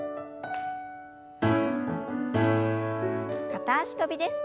片脚跳びです。